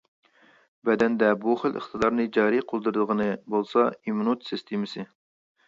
بەدەندە بۇ خىل ئىقتىدارنى جارى قىلدۇرىدىغىنى بولسا ئىممۇنىتېت سىستېمىسى.